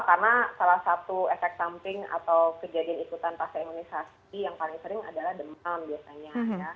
karena salah satu efek samping atau kejadian ikutan fase imunisasi yang paling sering adalah demam biasanya